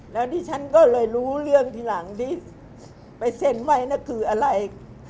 แล้วดิฉันก็เลยรู้เรื่องทีหลังที่ไปเส้นไหว้นะคืออะไร